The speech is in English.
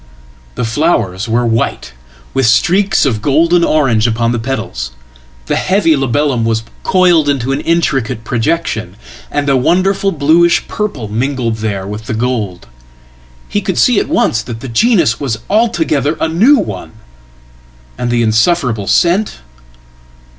The flowers were white, with streaks of golden orange upon the petals; theheavy labellum was coiled into an intricate projection, and a wonderfulbluish purple mingled there with the gold. He could see at once that thegenus was altogether a new one. And the insufferable scent!